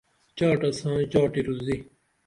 چاٹہ ساں چاٹی روزی